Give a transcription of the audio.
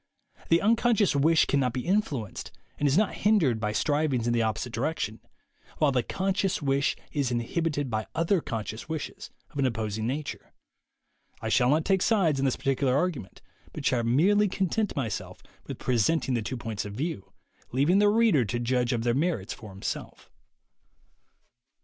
The unconscious wish cannot be influenced and is not hindered by striv ings in the opposite direction, while the conscious wish is inhibited by other conscious wishes of an opposite nature. I shall not take sides on this par ticular argument, but shall merely content myself with presenting the two points of view, leaving the reader to judge of their merits for himself.